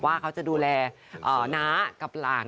ว่าเขาจะดูแลน้ากับหลาน